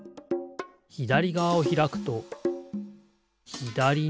ひだりがわをひらくとひだりにころがる。